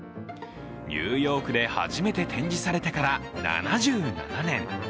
ニューヨークで初めて展示されてから７７年。